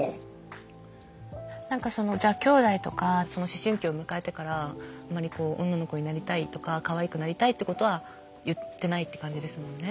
何かそのじゃあきょうだいとかその思春期を迎えてからあまりこう女の子になりたいとかかわいくなりたいってことは言ってないって感じですもんね？